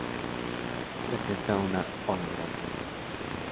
Presenta una orografía suave.